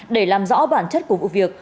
để làm rõ bản chất của vụ việc